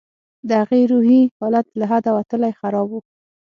د هغې روحي حالت له حده وتلى خراب و.